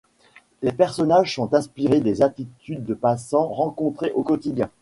Les personnages sont inspirés des attitudes de passants rencontrées au quotidien.